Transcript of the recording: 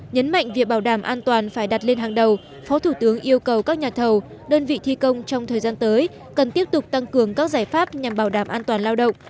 nhấn mạnh việc bảo đảm an toàn phải đặt lên hàng đầu phó thủ tướng yêu cầu các nhà thầu đơn vị thi công trong thời gian tới cần tiếp tục tăng cường các giải pháp nhằm bảo đảm an toàn lao động